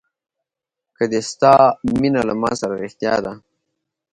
که د ستا مینه له ما سره رښتیا ده.